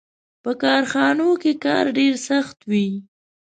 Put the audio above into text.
• په کارخانو کې کار ډېر سخت و.